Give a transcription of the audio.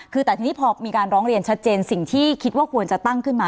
คือแต่ทีนี้พอมีการร้องเรียนชัดเจนสิ่งที่คิดว่าควรจะตั้งขึ้นมา